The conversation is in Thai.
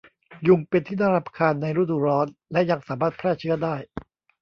ยุงเป็นที่น่ารำคาญในฤดูร้อนและยังสามารถแพร่เชื้อได้